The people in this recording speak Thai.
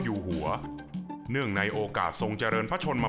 อยู่หัวเนื่องในโอกาสทรงเจริญพระชนมา